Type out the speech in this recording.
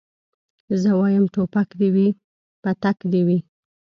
زه وايم ټوپک دي وي پتک دي وي